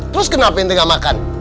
terus kenapa intinya makan